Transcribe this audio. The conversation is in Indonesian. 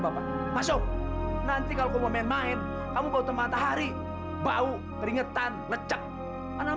bapak masuk nanti kalau mau main main kamu bau tempat hari bau keringetan lecak mana